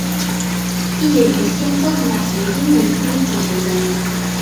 毕业于西安交通大学应用经济学专业。